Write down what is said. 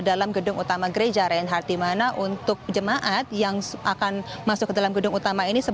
dalam gedung utama gereja reinhardt dimana untuk jemaat yang akan masuk ke dalam gedung utama ini